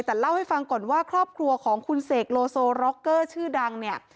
แต่เล่าให้ฟังก่อนว่าครอบครัวของคุณเสกโลโซร็อกเกอร์ชื่อดังเนี่ย